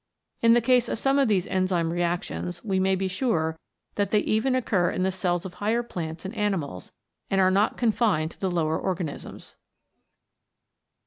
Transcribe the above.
In the case of some of these enzyme reactions we may be sure that they even occur in the cells of higher plants and animals, and are not confined to the lower organisms.